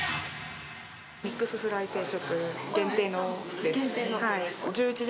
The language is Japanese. ミックスフライ定食、限定のです。